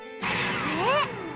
えっ！